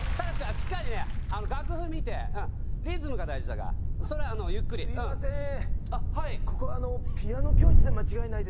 しっかりね楽譜見てうんリズムが大事だからそれはゆっくりうんすいません